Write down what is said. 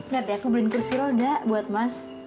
lihat ya aku beliin kursi roda buat mas